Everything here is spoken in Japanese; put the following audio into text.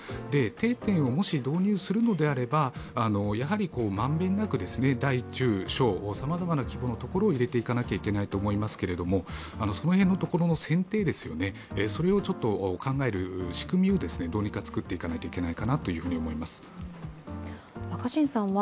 定点をもし導入するのであれば、満遍なく、大・中・小、さまざまな規模の所を入れていかなければいけないと思いますがその辺のところの選定を考える仕組みをどうにか作っていかないといけないかなと思います。